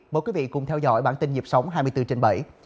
mời quý vị cùng theo dõi bản tin nhịp sống hai mươi bốn trên bảy